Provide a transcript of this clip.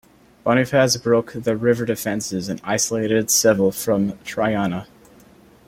Bonifaz broke the river defenses and isolated Seville from Triana.